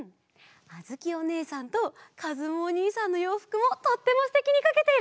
あづきおねえさんとかずむおにいさんのようふくもとってもすてきにかけているね！